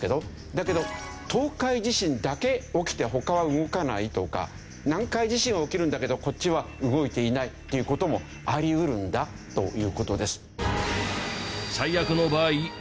だけど東海地震だけ起きて他は動かないとか南海地震は起きるんだけどこっちは動いていないっていう事もあり得るんだという事です。